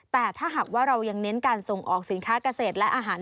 แต่ถ้าหากว่าเรายังเน้นการส่งออกสินค้าเกษตรและอาหาร